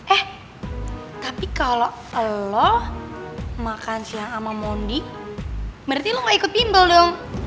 eh tapi kalau lo makan siang sama mwandi berarti lo gak ikut pimple dong